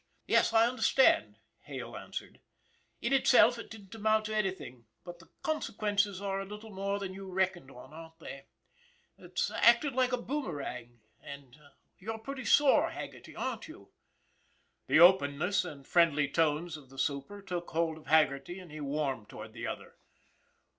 " Yes, I understand," Hale answered. " In itself it didn't amount to anything, but the consequences are a little more than you reckoned on, aren't they? It's (( WHERE'S HAGGERTY?" 267 acted like a boomerang, and you're pretty sore, Hag gerty, aren't you ?" The openness and friendly tones of the super took hold of Haggerty, and he warmed toward the other.